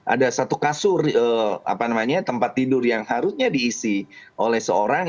ada satu kasur tempat tidur yang harusnya diisi oleh seorang